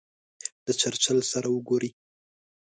د چرچل سره وګوري.